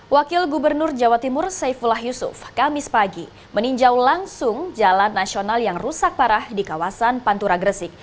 wakil gubernur jawa timur saifullah yusuf kamis pagi meninjau langsung jalan nasional yang rusak parah di kawasan pantura gresik